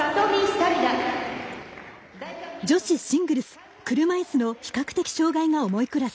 女子シングルス車いすの比較的障がいが重いクラス。